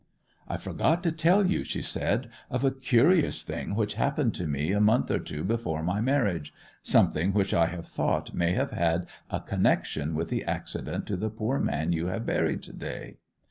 'I forgot to tell you,' she said, 'of a curious thing which happened to me a month or two before my marriage—something which I have thought may have had a connection with the accident to the poor man you have buried to day.